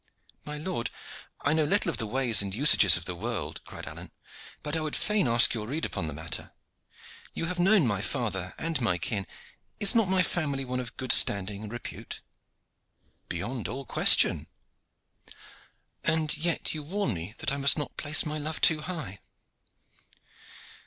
"My lord, I know little of the ways and usages of the world," cried Alleyne, "but I would fain ask your rede upon the matter. You have known my father and my kin: is not my family one of good standing and repute?" "Beyond all question." "And yet you warn me that I must not place my love too high."